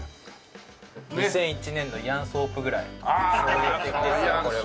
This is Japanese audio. ２００１年のイアン・ソープぐらい衝撃的ですよこれは。